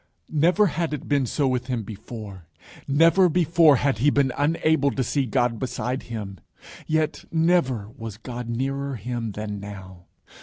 _ Never had it been so with him before. Never before had he been unable to see God beside him. Yet never was God nearer him than now.